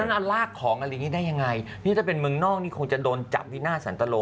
แล้วลากของอะไรอย่างนี้ได้ยังไงนี่ถ้าเป็นเมืองนอกนี่คงจะโดนจับที่หน้าสันตะโล